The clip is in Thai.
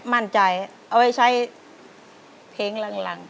มั่นใจเอาไว้ใช้เพลงหลัง